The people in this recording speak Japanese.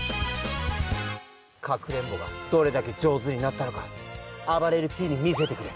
かくれんぼがどれだけじょうずになったのかあばれるＰにみせてくれ。